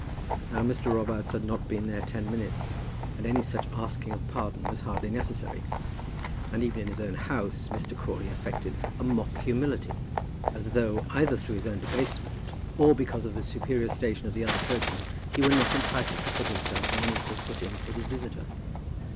Now Mr. Robarts had not been there ten minutes, and any such asking of pardon was hardly necessary. And, even in his own house, Mr. Crawley affected a mock humility, as though, either through his own debasement, or because of the superior station of the other clergyman, he were not entitled to put himself on an equal footing with his visitor.